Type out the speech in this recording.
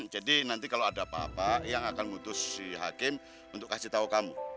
jadi nanti kalau ada apa apa eyang akan mutus si hakim untuk kasih tahu kamu